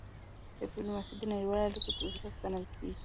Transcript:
ډيپلوماسي د نړیوالو اړیکو زړه ګڼل کېږي.